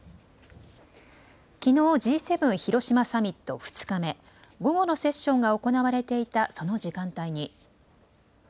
きのう、Ｇ７広島サミット２日目、午後のセッションが行われていたその時間帯に。